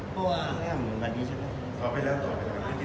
เขาเคยมานำสิ่งเดียวนะครับเขาเลยทำแบบไปดูครับ